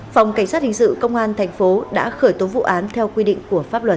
phòng cảnh sát hình sự công an tp đã khởi tố vụ án theo quy định của pháp luật